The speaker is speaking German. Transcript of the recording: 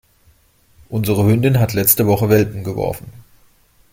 Unsere Hündin hat letzte Woche Welpen geworfen.